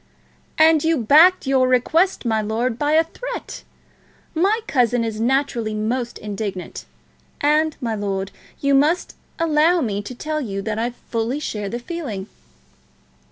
"And you backed your request, my lord, by a threat! My cousin is naturally most indignant; and, my lord, you must allow me to tell you that I fully share the feeling."